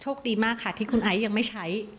ดีมากค่ะที่คุณไอซ์ยังไม่ใช้